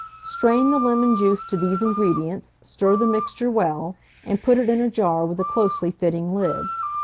Strain the lemon juice to these ingredients, stir the mixture well, and put it in a jar with a closely fitting lid.